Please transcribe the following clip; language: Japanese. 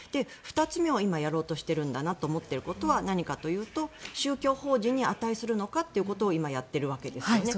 ２つ目を今、やろうとしているんだなと思っていることは何かというと宗教法人に値するのかということを今やっているわけですよね。